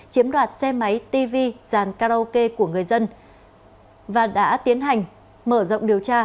chiếm đoạt xe máy tv giàn karaoke của người dân và đã tiến hành mở rộng điều tra